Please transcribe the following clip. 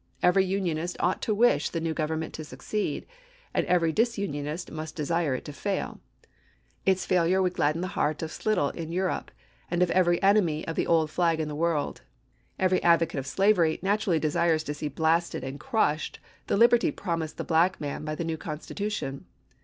Every Unionist ought to wish the new government to succeed ; and every disunionist must desire it to fail. Its failure would gladden the heart of Slidell in Europe, and of every enemy of the old flag in the world. Every advocate of slavery naturally desires to see blasted and crushed the liberty promised the black man by the new constitution.